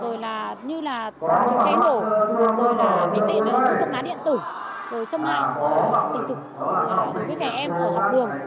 rồi là như là chụp trái nổ rồi là cái tên tức nát điện tử rồi xâm hại tình dục với trẻ em ở học đường